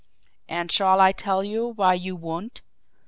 "And shall I tell you why you won't?